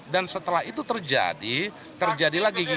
dan setelah itu terjadi terjadilah gigitan tangan